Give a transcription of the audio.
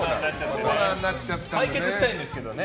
解決したいんですけどね。